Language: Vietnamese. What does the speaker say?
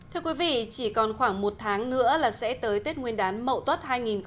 thưa quý vị chỉ còn khoảng một tháng nữa là sẽ tới tết nguyên đán mậu tuất hai nghìn hai mươi